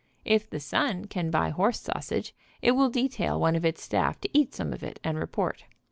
If the Sun can buy horse sausage it will detail one of its staff to eat some of it and report.